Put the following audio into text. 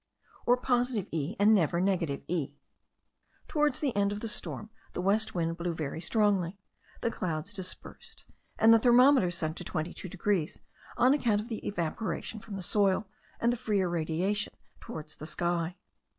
or positive E., and never negative E. Towards the end of the storm the west wind blew very strongly. The clouds dispersed, and the thermometer sunk to 22 degrees on account of the evaporation from the soil, and the freer radiation towards the sky.